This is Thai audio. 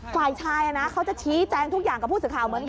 ฝ่ายชายเขาจะชี้แจงทุกอย่างกับผู้สื่อข่าวเหมือนกัน